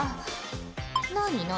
何何？